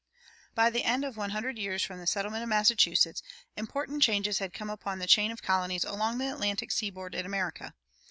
By the end of one hundred years from the settlement of Massachusetts important changes had come upon the chain of colonies along the Atlantic seaboard in America.